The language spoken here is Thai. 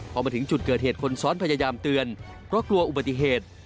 พอมาถึงจุดเกิดเหตุคนซ้อนพยายามเตือนเพราะกลัวอุบัติเหตุ